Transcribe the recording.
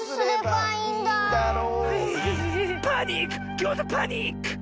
パニック！